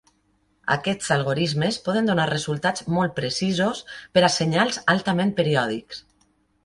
Aquests algorismes poden donar resultats molt precisos per a senyals altament periòdics.